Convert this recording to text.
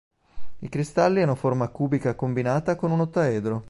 I cristalli hanno forma cubica combinata con un ottaedro.